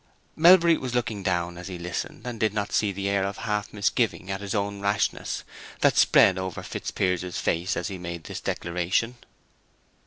Melbury was looking down as he listened, and did not see the air of half misgiving at his own rashness that spread over Fitzpiers's face as he made this declaration.